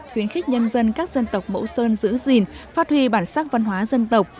khuyến khích nhân dân các dân tộc mẫu sơn giữ gìn phát huy bản sắc văn hóa dân tộc